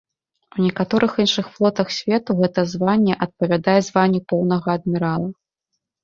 У некаторых іншых флотах свету гэта званне адпавядае званню поўнага адмірала.